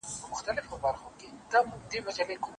په غوجل کي یې تړلې توره غواوه